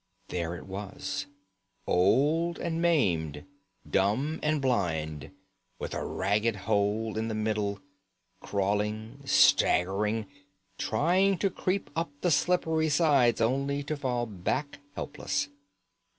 There it was, old and maimed, dumb and blind, with a ragged hole in the middle, crawling, staggering, trying to creep up the slippery sides, only to fall back helpless.